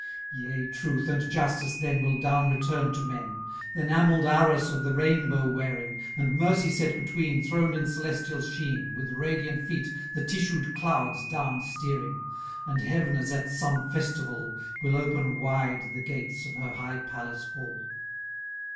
140 XV Yea Truth, and Justice then Will down return to men, Th'enameld Arras of the Rain bow wearing, And Mercy set between Thron'd in Celestiall sheen, With radiant feet the tissued clouds down stearing, And Heav'n as at som festivall, Will open wide the gates of her high Palace Hall.